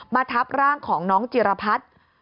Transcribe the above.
ทับร่างของน้องจิรพัฒน์